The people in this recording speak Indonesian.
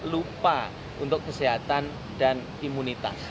lupa untuk kesehatan dan imunitas